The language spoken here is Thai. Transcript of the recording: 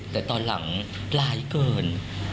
แต่ตอนหลังร้ายเกิน